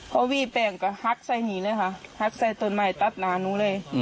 พอวีแป้งก็หักใส่หนีเลยค่ะหักใส่ตนใหม่ตัดหน้าหนูเลย